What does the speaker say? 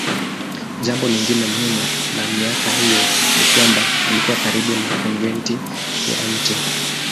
Jambo lingine muhimu la miaka hiyo ni kwamba alikuwa karibu na konventi ya Mt.